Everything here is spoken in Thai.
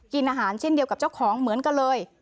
กินอาหารเช่นเดียวกับเจ้าของเหมือนกันเลย